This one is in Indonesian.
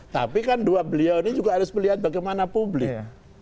tapi kan dua beliau ini juga harus melihat bagaimana publik